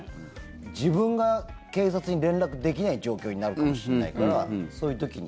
自分が警察に連絡できない状況になるかもしれないからそういう時に。